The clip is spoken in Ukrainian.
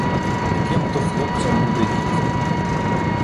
Яким то хлопцям буде дід.